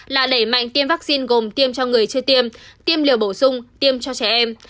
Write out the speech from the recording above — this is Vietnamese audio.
là đẩy mạnh tiêm vaccine gồm tiêm cho người chưa tiêm tiêm liều bổ sung tiêm cho trẻ em